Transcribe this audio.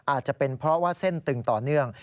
อาจจะเป็นเพราะว่าเส้นตึงต่อเนื่อง